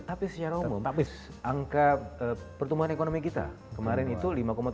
tapi secara umum angka pertumbuhan ekonomi kita kemarin itu lima tujuh